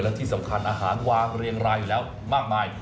และที่สำคัญอาหารวางเรียงรายอยู่แล้วมากมาย